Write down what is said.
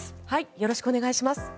よろしくお願いします。